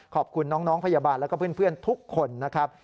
ขอบคุณน้องพยาบาลแล้วก็เพื่อนทุกคนนะครับ